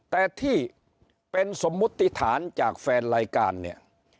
แต่ที่เป็นสมมุติฐานจากแฟนรายการเนี่ย